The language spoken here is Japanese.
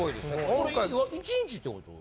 これは１日ってこと？